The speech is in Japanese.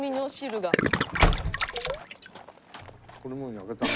これもう焼けたね。